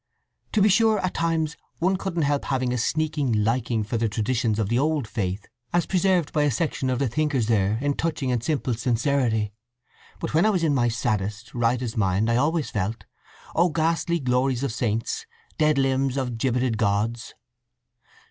To be sure, at times one couldn't help having a sneaking liking for the traditions of the old faith, as preserved by a section of the thinkers there in touching and simple sincerity; but when I was in my saddest, rightest mind I always felt, 'O ghastly glories of saints, dead limbs of gibbeted Gods!